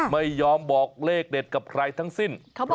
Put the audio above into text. ไม่ยอมบอกเลขเด็ดกับใครทั้งสิ้นเพราะว่า